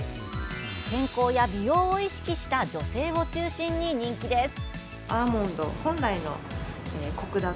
健康や美容を意識した女性を中心に人気です。